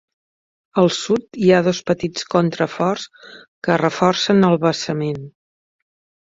Al sud hi ha dos petits contraforts que reforcen el basament.